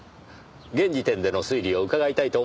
現時点での推理を伺いたいと思いましてね。